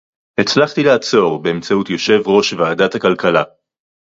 הצלחתי לעצור באמצעות יושב-ראש ועדת הכלכלה